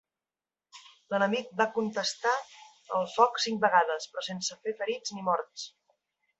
L'enemic va contestar al foc cinc vegades, però sense fer ferits ni morts.